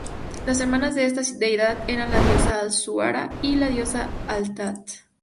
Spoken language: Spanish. Las hermanas de esta deidad eran la diosa Al-Zuhara y la diosa Al-lat.